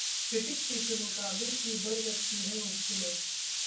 रितिक की फिल्म 'काबिल' की बढ़ सकती हैं मुश्किलें